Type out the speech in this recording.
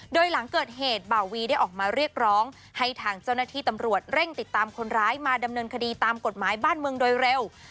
โดยหลังเกิดเหตุบ่าวีได้ออกมาเรียกร้องให้ทางเจ้าหน้าที่ตำรวจเร่งติดตามคนร้ายมาดำเนินคดีตามกฎหมายบ้านเมืองโดยเร็ว